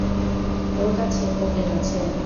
ওর কাছে কোকেন আছে।